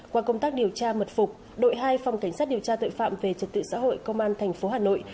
qua công tác điều tra mật phục đội hai phòng cảnh sát điều tra tội phạm về trật tự xã hội công an thành phố hà nội